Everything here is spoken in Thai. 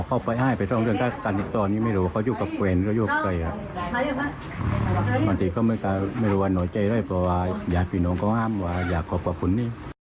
อาจารย์ก็ไม่รู้ว่าหน่อยใจเลยเพราะว่าอยากผิดหนูก็ห้ามอยากขอบคุณนี่